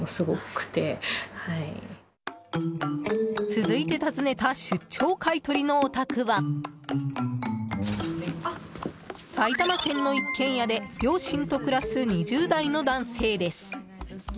続いて訪ねた出張買い取りのお宅は埼玉県の一軒家で両親と暮らす２０代の男性です。